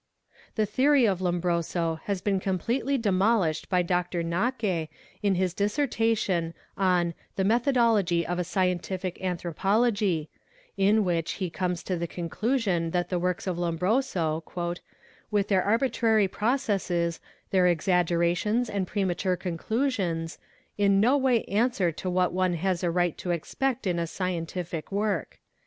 The theory of Lombroso has been completely demolished by Dr. Néicke in his dissertation on 'The methodology of a scientific anthro pology 8" in which he comes to the conclusion that the works of Lombroso, "' with their arbitrary processes, their exaggerations and premature conclusions, in no way answer to what one has a right to expect in a scientific work."